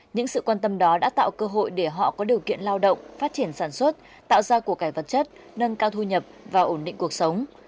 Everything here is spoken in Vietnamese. những sự quan tâm đó đã tạo cơ hội để họ có điều kiện lao động phát triển sản xuất tạo ra cuộc cải vật chất nâng cao thu nhập và ổn định cuộc sống